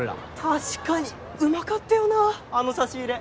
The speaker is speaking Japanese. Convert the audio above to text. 確かにうまかったよなあの差し入れ。